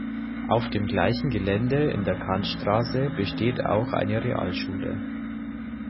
Auf dem gleichen Gelände in der Kantstraße besteht auch eine Realschule.